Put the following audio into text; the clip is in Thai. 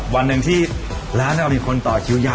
วันนึงที่ร้านระหว่างอีกคนตอคิวยา